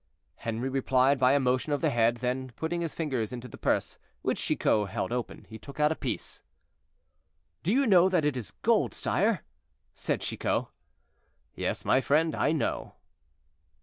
Henri replied by a motion of the head; then, putting his fingers into the purse, which Chicot held open, he took out a piece. "Do you know that it is gold, sire?" said Chicot. "Yes, my friend, I know."